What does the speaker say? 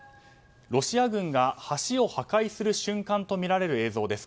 ロシア軍が橋を破壊する瞬間とみられる映像です。